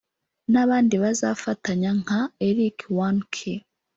n’abandi bazafatanya nka Eric One Key